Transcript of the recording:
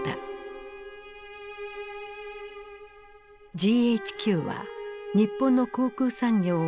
ＧＨＱは日本の航空産業を解体。